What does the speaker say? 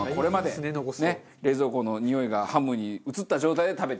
冷蔵庫のにおいがハムに移った状態で食べて。